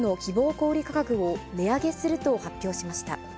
小売り価格を値上げすると発表しました。